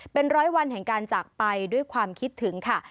เป็นร้อยวันแห่งการจากไปด้วยความคิดถึงค่ะ